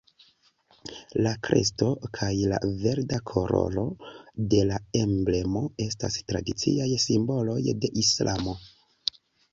La kresto kaj la verda koloro de la emblemo estas tradiciaj simboloj de Islamo.